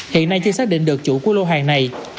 hiện nay chưa xác định được chủ của lô hàng này